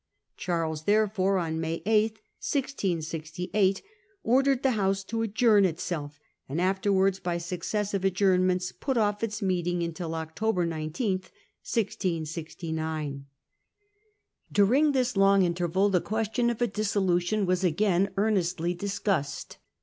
Charles therefore, on May 8, 1668, ordered the House to adjourn itself, and afterwards by successive adjournments put off its meeting until October 19, 1669. During this long interval the question of a dissolution was again earnestly discussed.